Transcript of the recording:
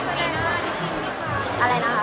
เขาก็มองว่าเราก็เป็นอย่างนี้ตั้งแต่ไหนตลาด